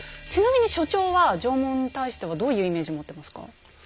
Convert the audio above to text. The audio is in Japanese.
ちなみに所長は縄文に対してはどういうイメージ持ってますか？